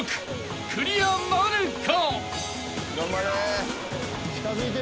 クリアなるか？］